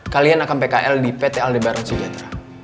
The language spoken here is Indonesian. kalian akan pkl di pt aldebaran sejahtera